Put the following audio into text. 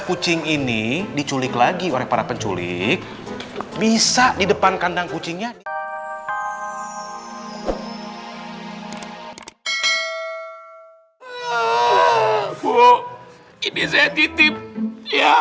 kucing ini diculik lagi oleh para penculik bisa di depan kandang kucingnya nih saya titip ya